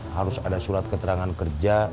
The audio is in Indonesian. harus ada surat keterangan kerja